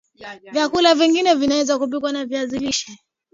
Vyakula vingine vinavyoweza kupikwa na viazi lishe